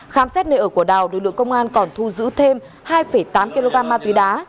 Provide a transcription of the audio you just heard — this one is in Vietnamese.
khám xét nơi ở của đào lực lượng công an còn thu giữ thêm hai tám kg ma túy đá